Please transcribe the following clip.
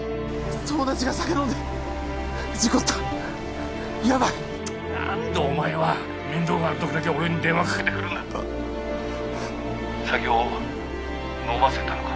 友達が酒飲んで事故ったヤバい何でお前は面倒がある時だけ俺に電話かけてくるんだ☎酒を飲ませたのか？